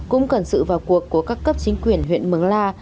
cũng cần sự vào cuộc của các cấp chính quyền huyện mường la